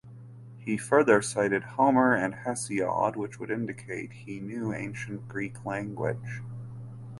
He further cited Homer and Hesiod which would indicate he knew Ancient Greek language.